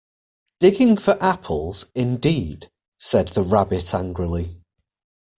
‘Digging for apples, indeed!’ said the Rabbit angrily.